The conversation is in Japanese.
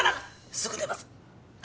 すぐ出ます！